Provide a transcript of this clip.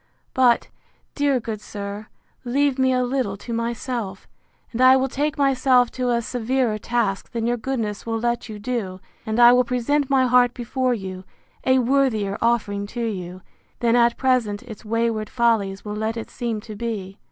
—But, dear good sir, leave me a little to myself, and I will take myself to a severer task than your goodness will let you do and I will present my heart before you, a worthier offering to you, than at present its wayward follies will let it seem to be.